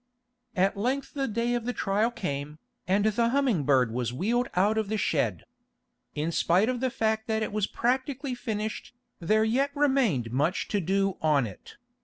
At length the day of the trial came, and the Humming Bird was wheeled out of the shed. In spite of the fact that it was practically finished, there yet remained much to do on it.